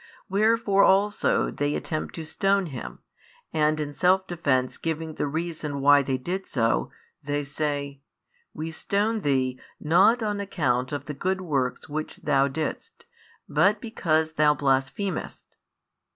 Wherefore also they attempt to stone Him, and in self defence giving the reason why they did so, they say: "We stone Thee, not on account of the good works which Thou didst, but because Thou blasphemest."